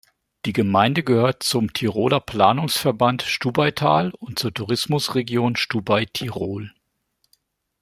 Die Gemeinde gehört zum Tiroler Planungsverband Stubaital und zur Tourismusregion Stubai Tirol.